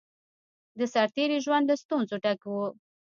د سرتېری ژوند له ستونزو ډک وو